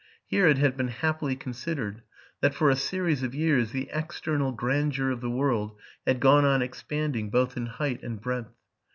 Here it had been happily considered, that, for a series of years, the external grandeur of the wor d had gone on expanding, both in height and breadth.